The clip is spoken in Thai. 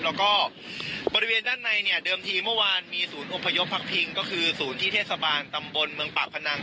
แล้วก็บริเวณด้านในเนี่ยเดิมทีเมื่อวานมีศูนย์อพยพพักพิงก็คือศูนย์ที่เทศบาลตำบลเมืองปากพนัง